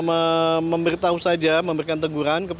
atau kita menolong polisi dari taman nekopark